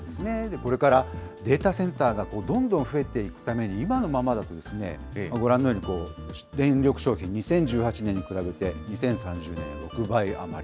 これからデータセンターがどんどん増えていくために、今のままだとご覧のように電力消費、２０１８年に比べて、２０３０年、６倍余り。